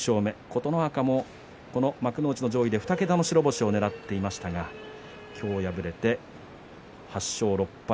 琴ノ若もこの幕内の上位で２桁の白星をねらっていましたが今日、敗れて８勝６敗。